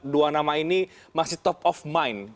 dua nama ini masih top of mind